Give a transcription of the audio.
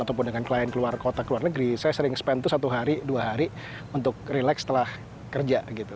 ataupun dengan klien keluar kota keluar negeri saya sering spend itu satu hari dua hari untuk relax setelah kerja gitu